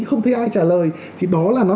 không thấy ai trả lời thì đó là nó